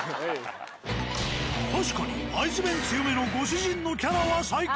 確かに会津弁強めのご主人のキャラは最高！